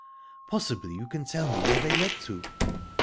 Possibly you can tell me where they led to?"